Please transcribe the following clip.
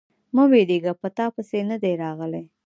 _مه وېرېږه، په تاپسې نه دي راغلی.